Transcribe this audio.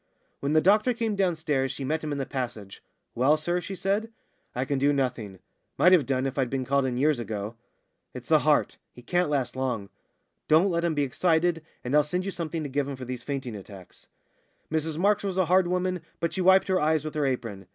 When the doctor came downstairs she met him in the passage. "Well, sir?" she said. "I can do nothing might have done if I'd been called in years ago. It's the heart. He can't last long. Don't let him be excited, and I'll send you something to give him for these fainting attacks." Mrs Marks was a hard woman, but she wiped her eyes with her apron.